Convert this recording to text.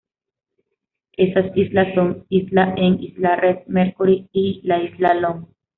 Esas islas son: Isla Hen, Isla Red Mercury y la Isla Long.